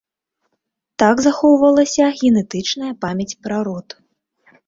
Так захоўвалася генетычная памяць пра род.